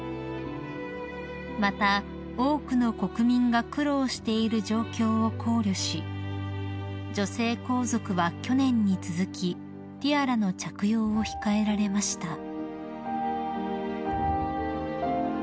［また多くの国民が苦労している状況を考慮し女性皇族は去年に続きティアラの着用を控えられました］